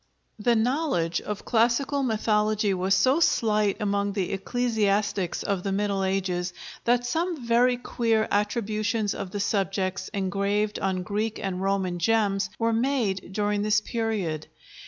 The knowledge of classical mythology was so slight among the ecclesiastics of the Middle Ages that some very queer attributions of the subjects engraved on Greek and Roman gems were made during this period.